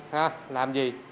hả làm gì